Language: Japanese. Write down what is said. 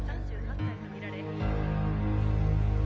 ３８歳と見られ。